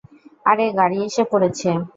আরে, গাড়ি এসে পড়েছে।